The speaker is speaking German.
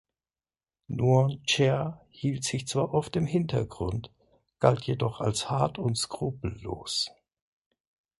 Nuon Chea hielt sich zwar oft im Hintergrund, galt jedoch als hart und skrupellos.